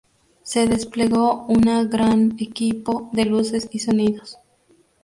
Se desplegó una gran equipo de luces y sonidos.